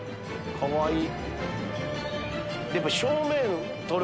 かわいい！